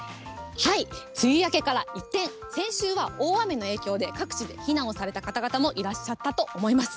梅雨明けから一転、先週は大雨の影響で、各地で避難をされた方々もいらっしゃったと思います。